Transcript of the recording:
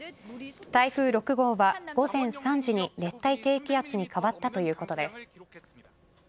台風６号は、午前３時に熱帯低気圧に変わったということです。